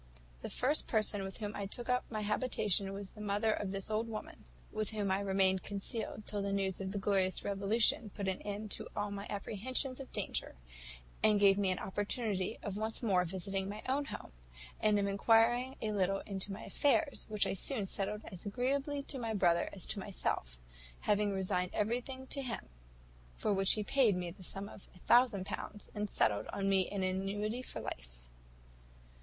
The first person with whom I took up my habitation was the mother of this old woman, with whom I remained concealed till the news of the glorious revolution put an end to all my apprehensions of danger, and gave me an opportunity of once more visiting my own home, and of enquiring a little into my affairs, which I soon settled as agreeably to my brother as to myself; having resigned everything to him, for which he paid me the sum of a thousand pounds, and settled on me an annuity for life.